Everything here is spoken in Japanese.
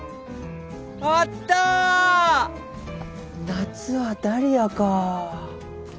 夏はダリアか。